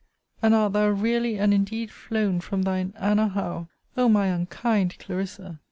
And art thou really and indeed flown from thine Anna Howe! O my unkind CLARISSA!